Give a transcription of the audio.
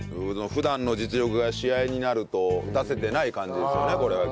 普段の実力が試合になると出せてない感じですよねこれは。